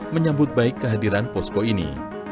menyambut baik kehadiran posko ini